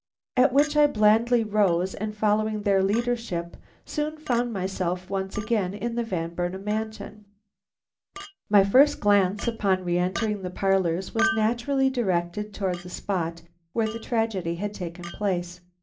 At which I blandly rose, and following their leadership, soon found myself once again in the Van Burnam mansion. My first glance upon re entering the parlors was naturally directed towards the spot where the tragedy had taken place.